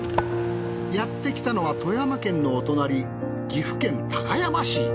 やってきたのは富山県のお隣岐阜県高山市。